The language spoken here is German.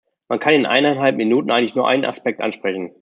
Man kann in eineinhalb Minuten eigentlich nur einen Aspekt ansprechen.